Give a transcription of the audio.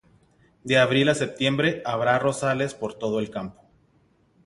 De abril a septiembre, habrá arrozales por todo el campo.